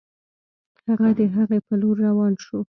هغه د هغې په لور روان شو